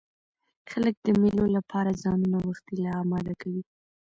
خلک د مېلو له پاره ځانونه وختي لا اماده کوي.